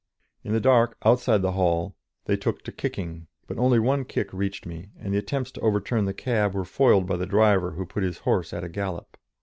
In the dark, outside the hall, they took to kicking, but only one kick reached me, and the attempts to overturn the cab were foiled by the driver, who put his horse at a gallop.